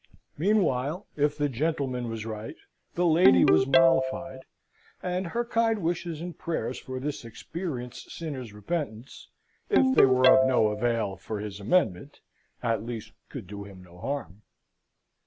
Meanwhile, if the gentleman was right, the lady was mollified, and her kind wishes and prayers for this experienced sinner's repentance, if they were of no avail for his amendment, at least could do him no harm.